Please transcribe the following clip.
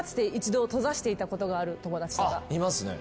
いますね。